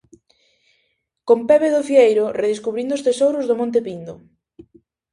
Con Pepe do Fieiro redescubrindo os tesouros do Monte Pindo.